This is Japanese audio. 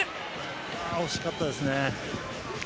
惜しかったですね。